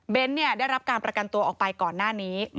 ได้รับการประกันตัวออกไปก่อนหน้านี้